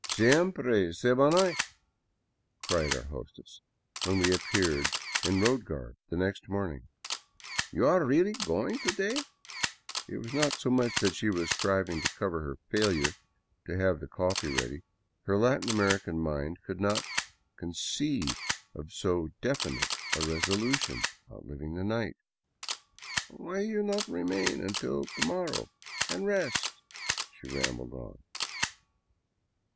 " Siempre se van hoy ?" cried our hostess, when we appeared in road garb next morning, *' You are really going to day ?'* It was not so much that she was striving to cover her failure to have the coffee ready; her Latin American mind could not conceive of so definite a resolution outliving the night. " Why do you not remain until to morrow and rest ?" she rambled on.